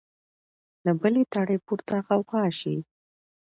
له بلي تړي پورته غوغا سي